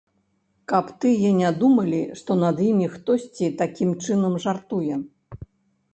Каб тыя не думалі, што над імі хтосьці такім чынам жартуе.